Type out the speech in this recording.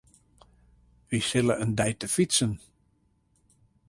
Wy sille in dei te fytsen.